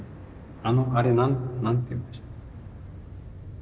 あのあれ何ていうんでしたっけ。